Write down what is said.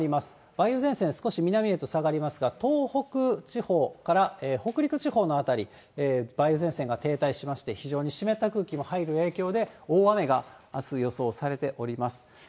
梅雨前線、少し南へと下がりますが、東北地方から北陸地方の辺り、梅雨前線が停滞しまして、非常に湿った空気も入る影響で、大雨があす予想されております。